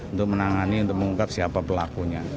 untuk menangani untuk mengungkap siapa pelakunya